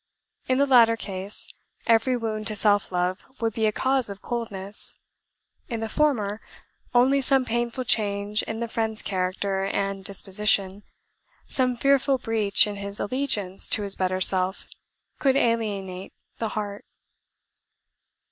In the latter case, every wound to self love would be a cause of coldness; in the former, only some painful change in the friend's character and disposition some fearful breach in his allegiance to his better self could alienate the heart.